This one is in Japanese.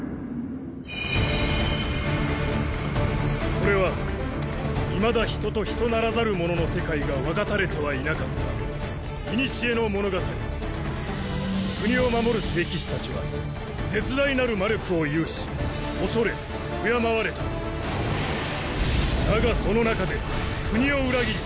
これはいまだ人と人ならざるものの世界が分かたれてはいなかった古の物語国を守る聖騎士たちは絶大なる魔力を有し恐れ敬われただがその中で国を裏切り